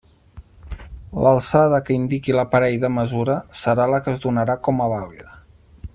L'alçada que indiqui l'aparell de mesura serà la que es donarà com a vàlida.